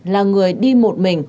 là người đi một mình